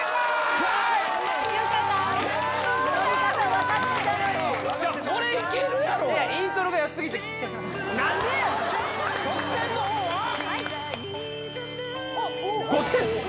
はい５点！？